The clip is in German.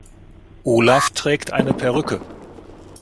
Olaf trägt eine Perücke.